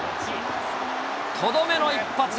とどめの一発。